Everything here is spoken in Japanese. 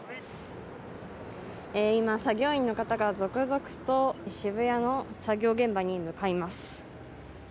今、作業員の方が続々と渋谷の作業現場に向かいます。